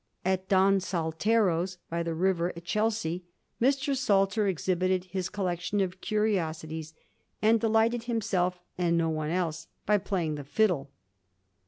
At Don Saltero's, by the river at Chelsea, Mr. Salter exhibited his collection of curiosities and delighted himself, and no one else, by playing the fiddle.